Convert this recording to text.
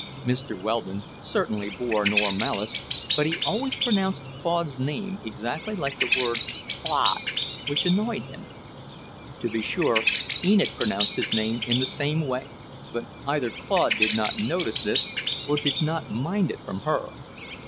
Mr. Weldon certainly bore no malice, but he always pronounced Claude's name exactly like the word "Clod," which annoyed him. To be sure, Enid pronounced his name in the same way, but either Claude did not notice this, or did not mind it from her.